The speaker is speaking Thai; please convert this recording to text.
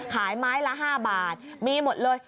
ขายไม้ละ๕บาทมีหมดเลย